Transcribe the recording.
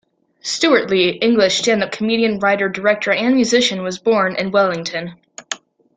Stewart Lee, English stand-up comedian, writer, director and musician, was born in Wellington.